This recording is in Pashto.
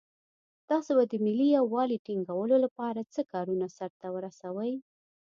تاسو به د ملي یووالي ټینګولو لپاره څه کارونه سرته ورسوئ.